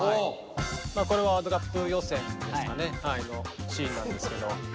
これワールドカップ予選ですかねのシーンなんですけど。